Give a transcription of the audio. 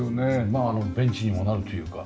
まああのベンチにもなるというか。